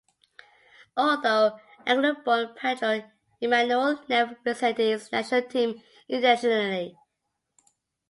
Although Angolan-born, Pedro Emanuel never represented its national team internationally.